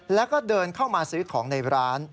แล้วก็เดินเข้ามาซื้อของในร้าน